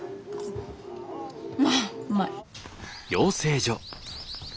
まあうまい。